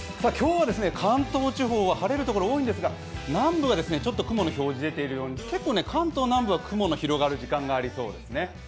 今日は関東地方は晴れるところ多いんですが南部は雲の表示出ているように、関東南部は雲の広がる時間がありそうですね。